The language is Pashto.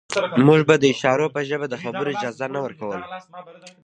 موږ د اشارو په ژبه د خبرو اجازه نه ورکوله